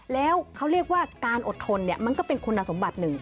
แล้วเขาเรียกว่าการอดทนเนี่ยมันก็เป็นคุณสมบัติหนึ่ง